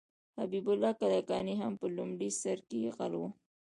حبیب الله کلکاني هم په لومړي سر کې غل و.